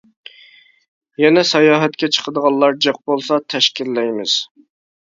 يەنە ساياھەتكە چىقىدىغانلار جىق بولسا تەشكىللەيمىز!